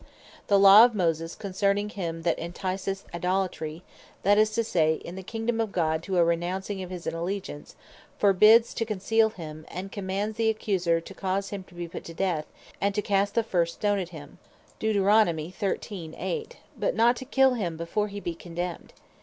The Law of Moses concerning him that enticeth to Idolatry, (that is to say, in the Kingdome of God to a renouncing of his Allegiance) (Deut. 13.8.) forbids to conceal him, and commands the Accuser to cause him to be put to death, and to cast the first stone at him; but not to kill him before he be Condemned.